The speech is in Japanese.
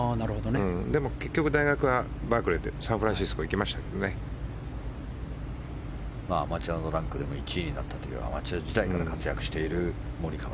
でも、結局大学はバークレーでサンフランシスコにアマチュアのランクでも１位になったというアマチュア時代から活躍しているモリカワ。